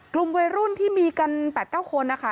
กลุ่มวัยรุ่นที่มีกัน๘๙คนนะคะ